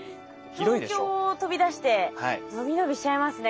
東京を飛び出してのびのびしちゃいますね